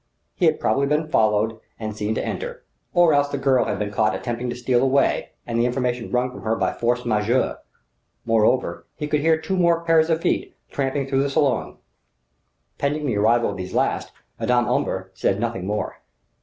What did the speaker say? He had probably been followed and seen to enter; or else the girl had been caught attempting to steal away and the information wrung from her by force majeure.... Moreover, he could hear two more pair of feet tramping through the salons. Pending the arrival of these last, Madame Omber said nothing more.